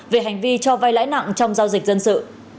về hành vi cho vai lãi nặng trong giao dịch dân sự